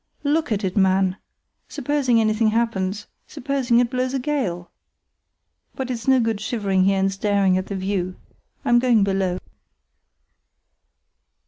"Look at it, man! Supposing anything happens—supposing it blows a gale! But it's no good shivering here and staring at the view. I'm going below."